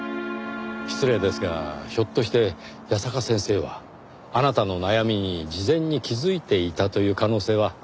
失礼ですがひょっとして矢坂先生はあなたの悩みに事前に気づいていたという可能性はありませんか？